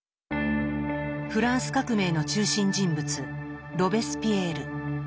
フランス革命の中心人物ロベスピエール。